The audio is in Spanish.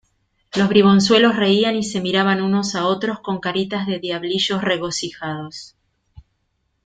Los bribonzuelos reían y se miraban unos a otros con caritas de diablillos regocijados.